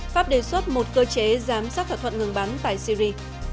pháp đề xuất một cơ chế giám sát thỏa thuận ngừng bắn tại syri